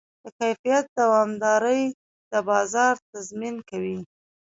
د کیفیت دوامداري د بازار تضمین کوي.